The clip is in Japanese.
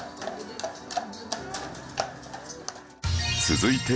続いて